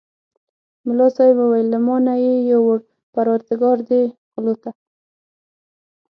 ملا صاحب وویل له ما نه یې یووړ پرودګار دې غلو ته.